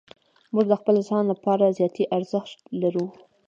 موږ د خپل ځان لپاره ذاتي ارزښت لرو.